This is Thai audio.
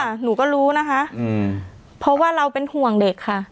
หนูก็รู้นะคะอืมเพราะว่าเราเป็นห่วงเด็กค่ะ